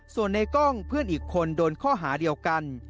ส่วนในกล้องเพื่อนอีกคนโดนข้อหาเดียวกัน